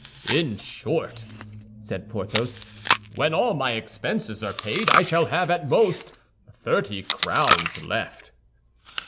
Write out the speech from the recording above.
"In short," said Porthos, "when all my expenses are paid, I shall have, at most, thirty crowns left."